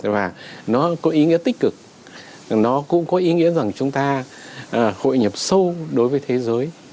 và nó có ý nghĩa tích cực nó cũng có ý nghĩa rằng chúng ta hội nhập sâu đối với thế giới